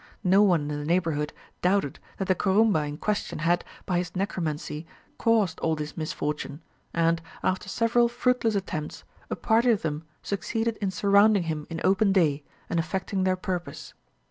No one in the neighbourhood doubted that the Kurumba in question had, by his necromancy, caused all this misfortune, and, after several fruitless attempts, a party of them succeeded in surrounding him in open day, and effecting their purpose."